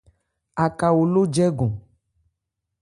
Aká oló jɛ́gɔn.